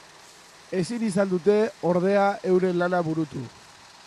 Ezin izan dute ordea euren lana burutu.